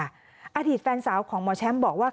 อดีตแฟนสาวของหมอแชมป์บอกว่า